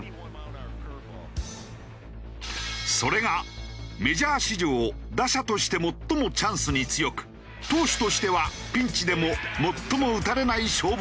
それがメジャー史上打者として最もチャンスに強く投手としてはピンチでも最も打たれない勝負強さだ。